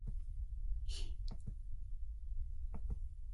He obtained the degree of Doctor of Divinity.